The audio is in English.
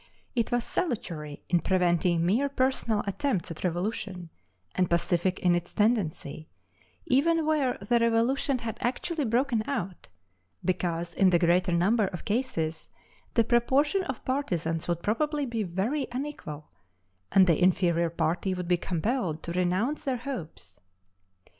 It was salutary in preventing mere personal attempts at revolution; and pacific in its tendency, even where the revolution had actually broken out, because in the greater number of cases the proportion of partisans would probably be very unequal, and the inferior party would be compelled to renounce their hopes.